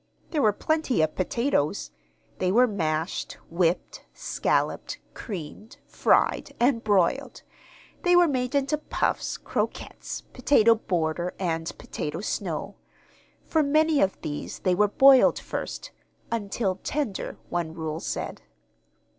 There were plenty of potatoes. They were mashed, whipped, scalloped, creamed, fried, and broiled; they were made into puffs, croquettes, potato border, and potato snow. For many of these they were boiled first "until tender," one rule said.